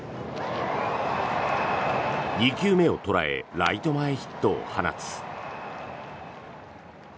２球目を捉えライト前ヒットを放つ。